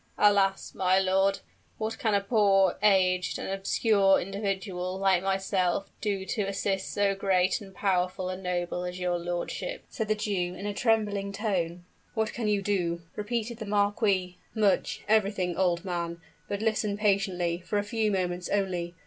"Alas! my lord, what can a poor, aged, and obscure individual like myself do to assist so great and powerful a noble as your lordship?" said the Jew in a trembling tone. "What can you do?" repeated the marquis: "much everything, old man! But listen patiently, for a few moments only.